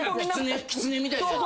キツネみたいなやつ？